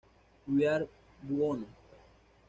We Are Buono!